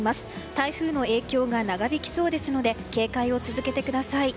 台風の影響が長引きそうですので警戒を続けてください。